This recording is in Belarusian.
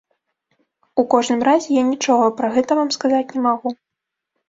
У кожным разе, я нічога пра гэта вам сказаць не магу.